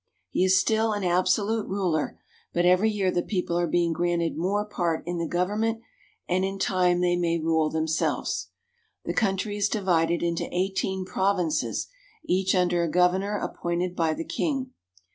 He is still an absolute ruler, but every year the people are being granted more part in the government and in time they may rule themselves. The country is divided into eighteen provinces, each under a governor appointed by the king.